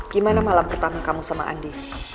gimana malam pertama kamu sama andi